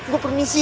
gua permisi ya